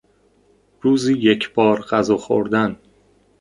روزی یک بار غذا خوردن